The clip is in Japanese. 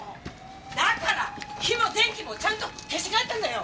だから火も電気もちゃんと消して帰ったんだよ！